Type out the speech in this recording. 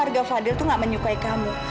warga fadil itu gak menyukai kamu